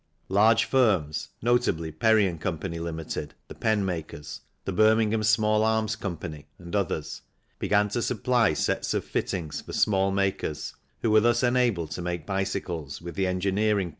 Large firms, notably Perry & Co., Ltd., the pen makers, the Birmingham Small Arms Co., and others, began to supply sets of fittings for small makers, who were thus enabled to make bicycles with the engineering part FIG.